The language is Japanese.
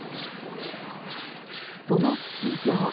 そのスキー場